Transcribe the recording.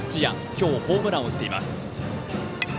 今日、ホームランを打っています。